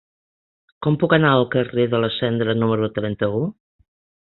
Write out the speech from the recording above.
Com puc anar al carrer de la Cendra número trenta-u?